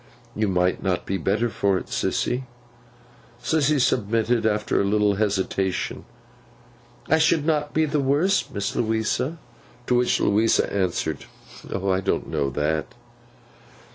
'You might not be the better for it, Sissy.' Sissy submitted, after a little hesitation, 'I should not be the worse, Miss Louisa.' To which Miss Louisa answered, 'I don't know that.